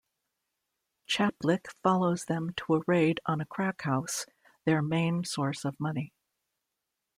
Chaplik follows them to a raid on a crack-house, their main source of money.